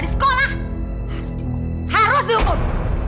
saya sudah mau ada pembawaan